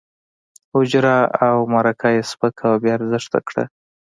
حجره او مرکه یې سپکه او بې ارزښته کړه.